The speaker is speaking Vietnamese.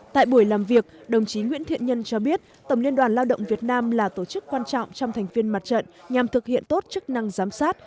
tại buổi làm việc đồng chí nguyễn thiện nhân cho biết tổng liên đoàn lao động việt nam là tổ chức quan trọng trong thành viên mặt trận nhằm thực hiện tốt chức năng giám sát